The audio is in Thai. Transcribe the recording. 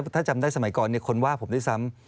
ถ้าจำได้สมัยก่อนคนว่าผมด้วยซ้ำ